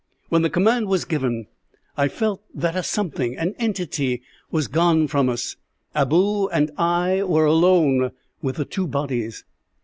"When the command was given, I felt that a something an entity was gone from us. Abou and I were alone with the two bodies.